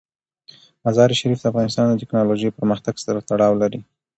مزارشریف د افغانستان د تکنالوژۍ پرمختګ سره تړاو لري.